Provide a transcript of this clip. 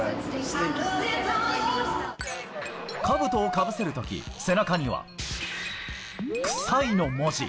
かぶとをかぶせるとき、背中には、臭いの文字。